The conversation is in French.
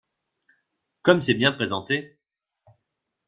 Comme c’est bien présenté